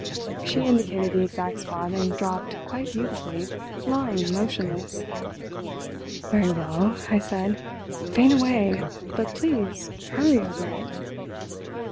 She indicated the exact spot and dropped quite beautifully, lying motionless. "Very well," I said, "faint away; but please hurry over it."